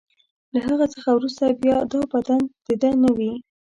له هغه څخه وروسته بیا دا بدن د ده نه وي.